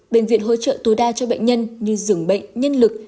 bệnh viện hỗ trợ tối đa cho bệnh nhân như giường bệnh nhân lực